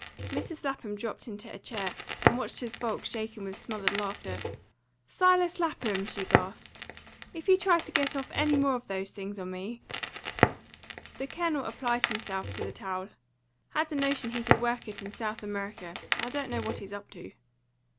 Mrs. Lapham dropped into a chair, and watched his bulk shaken with smothered laughter. "Silas Lapham," she gasped, "if you try to get off any more of those things on me " The Colonel applied himself to the towel. "Had a notion he could work it in South America. I don't know what he's up to."